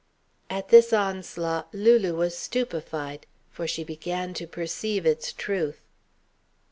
At this onslaught Lulu was stupefied. For she began to perceive its truth.